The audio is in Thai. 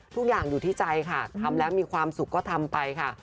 ทุกอย่างอยู่ที่ใจค่ะทำแล้วมีความสุขก็ทำไปค่ะ